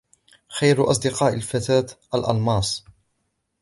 خير أصدقاء الفتاة: الألماس.